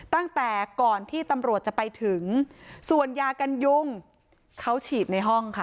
ตั้งแต่ก่อนที่ตำรวจจะไปถึงส่วนยากันยุงเขาฉีดในห้องค่ะ